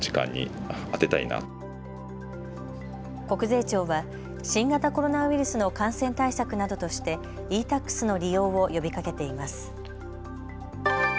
国税庁は新型コロナウイルスの感染対策などとしてｅーＴａｘの利用を呼びかけています。